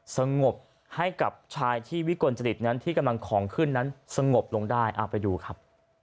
สงบให้กับชายที่วิกลจริตนั้นที่กำลังของขึ้นนั้นสงบลงได้เอาไปดูครับ